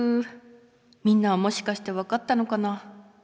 みんなはもしかして分かったのかな？